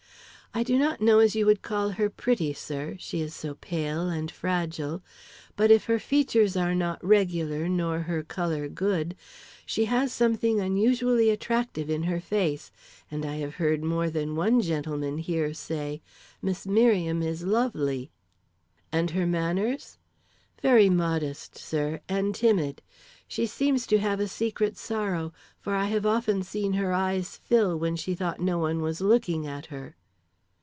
"I do not know as you would call her pretty, sir, she is so pale and fragile; but if her features are not regular nor her color good, she has something unusually attractive in her face, and I have heard more than one gentleman here say, 'Miss Merriam is lovely.'" "And her manners?" "Very modest, sir, and timid. She seems to have a secret sorrow, for I have often seen her eyes fill when she thought no one was looking at her."